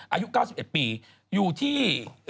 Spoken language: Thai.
อายุ๙๑ปีอยู่ที่